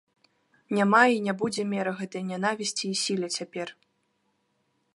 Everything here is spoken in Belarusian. Няма і не будзе меры гэтай нянавісці і сіле цяпер!